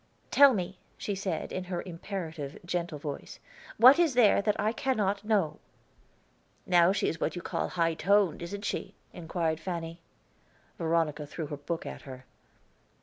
"Tell me," she said, in her imperative, gentle voice. "What is there that I cannot know?" "Now she is what you call high toned, isn't it?" inquired Fanny. Veronica threw her book at her.